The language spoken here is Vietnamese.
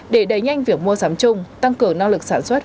để đẩy nhanh việc mua sắm chung tăng cường năng lực sản xuất